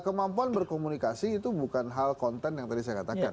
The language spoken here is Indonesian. kemampuan berkomunikasi itu bukan hal konten yang tadi saya katakan